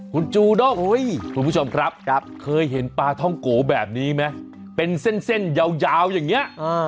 คุณจูด้งคุณผู้ชมครับเคยเห็นปลาท่องโกแบบนี้ไหมเป็นเส้นยาวอย่างนี้